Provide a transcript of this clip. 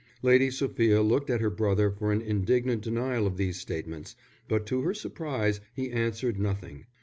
Lady Sophia looked at her brother for an indignant denial of these statements, but to her surprise he answered nothing.